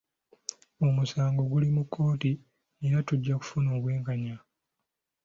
Omusango guli mu kkooti era tujja kufuna obwenkanya.